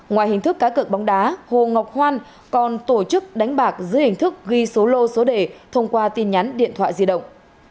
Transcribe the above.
ngoài hình thức cá cược bóng đá hồ ngọc hoan còn tổ chức đánh bạc dưới hình thức ghi số lô số đề thông qua tin nhắn điện thoại di động